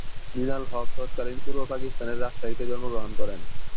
মৃণাল হক তৎকালীন পূর্ব পাকিস্তানের রাজশাহীতে জন্ম গ্রহণ করেন।